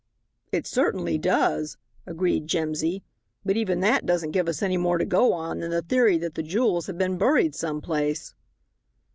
"It certainly does," agreed Jimsy, "but even that doesn't give us any more to go on than the theory that the jewels have been buried some place."